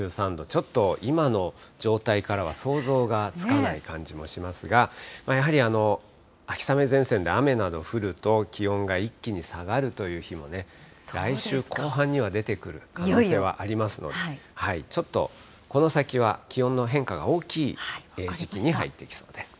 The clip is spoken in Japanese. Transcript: ちょっと今の状態からは想像がつかない感じもしますが、やはり秋雨前線で雨など降ると、気温が一気に下がるという日もね、来週後半には出てくる可能性はありますので、ちょっとこの先は気温の変化が大きい時期に入ってきそうです。